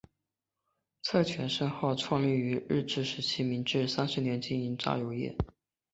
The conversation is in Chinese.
蔡泉盛号创立于日治时期明治三十年经营榨油业。